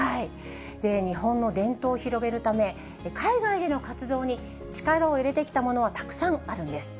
日本の伝統を広げるため、海外での活動に力を入れてきたものはたくさんあるんです。